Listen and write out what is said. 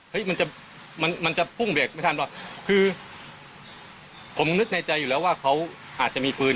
มันจะมันมันจะพุ่งเบรกไม่ทันหรอกคือผมนึกในใจอยู่แล้วว่าเขาอาจจะมีปืน